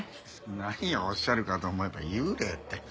何をおっしゃるかと思えば幽霊ってハハッ。